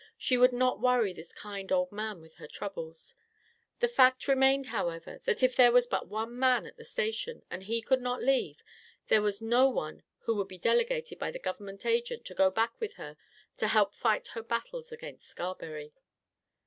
She would not worry this kind old man with her troubles. The fact remained, however, that if there was but one man at the Station, and he could not leave, there was no one who could be delegated by the Government Agent to go back with her to help fight her battles against Scarberry.